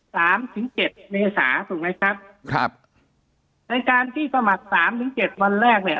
ถึงเจ็ดเมษาถูกไหมครับครับในการที่สมัครสามถึงเจ็ดวันแรกเนี่ย